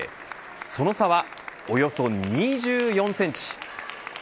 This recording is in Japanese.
その差はおよそ２４センチ。